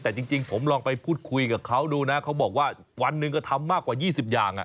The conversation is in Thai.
แต่จริงผมลองไปพูดคุยกับเขาดูนะเขาบอกว่าวันหนึ่งก็ทำมากกว่า๒๐อย่าง